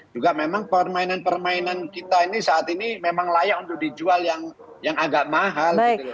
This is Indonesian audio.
juga memang permainan permainan kita ini saat ini memang layak untuk dijual yang agak mahal